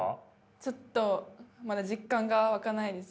ちょっとまだ実感が湧かないです。